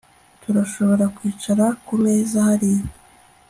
Turashobora kwicara kumeza hariya